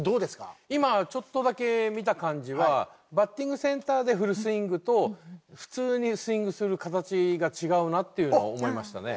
今ちょっとだけ見た感じはバッティングセンターで振るスイングと普通にスイングする形が違うなっていうのは思いましたね。